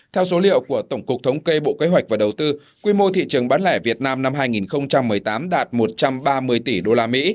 theo số liệu của tổng cục thống kê bộ kế hoạch và đầu tư quy mô thị trường bán lẻ việt nam năm hai nghìn một mươi tám đạt một trăm ba mươi tỷ usd